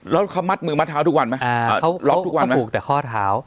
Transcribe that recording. แล้วเขามัดมือมัดเท้าทุกวันไหมอ่าเขาล็อกทุกวันไหมผูกแต่ข้อเท้า